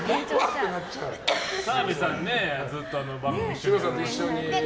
澤部さん、ずっと番組一緒にね。